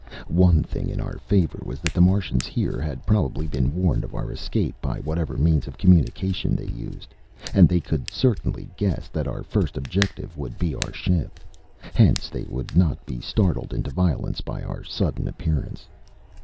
One thing in our favor was that the Martians here had probably been warned of our escape by whatever means of communication they used. And they could certainly guess that our first objective would be our ship. Hence they would not be startled into violence by our sudden appearance.